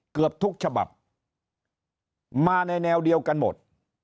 เกือบทุกฉบับมาในแนวเดียวกันหมด